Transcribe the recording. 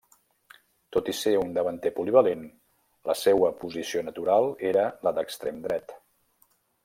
Tot i ser un davanter polivalent, la seua posició natural era la d'extrem dret.